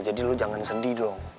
jadi lo jangan sedih dong